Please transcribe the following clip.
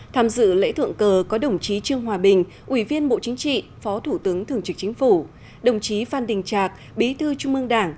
tham dự lễ thượng cờ có đồng chí trương hòa bình ủy viên bộ chính trị phó thủ tướng thường trực chính phủ đồng chí phan đình trạc bí thư trung ương đảng